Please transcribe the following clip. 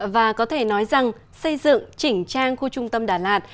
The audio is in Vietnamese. và có thể nói rằng xây dựng chỉnh trang khu trung tâm đà lạt